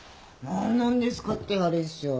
「何なんですか？」ってあれっしょ。